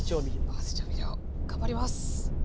合わせ調味料頑張ります。